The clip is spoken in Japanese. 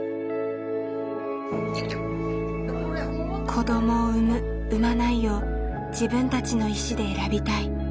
子どもを産む・産まないを自分たちの意思で選びたい。